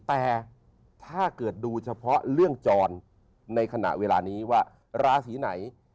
แต่ถ้าเกิดดูเฉพาะเรื่องจรในขณะเวลานี้ว่าราศีไหน